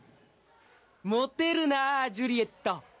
もてるなージュリエット！